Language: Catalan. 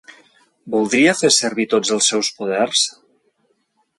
Voldria fer servir tots els seus poders?